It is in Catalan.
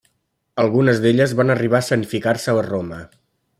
Algunes d'elles van arribar a escenificar-se a Roma.